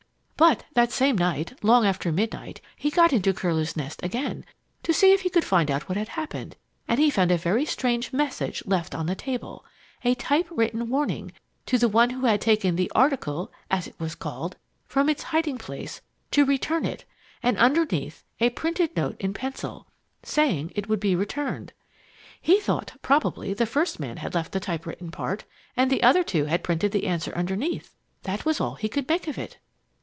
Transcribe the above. But that same night, long after midnight, he got into Curlew's Nest again to see if he could find out what had happened, and he found a very strange message left on the table a type written warning to the one who had taken the article (as it was called!) from its hiding place to return it, and underneath, a printed note in pencil, saying it would be returned. He thought probably the first man had left the type written part, and the other two had printed the answer underneath. That was all he could make of it.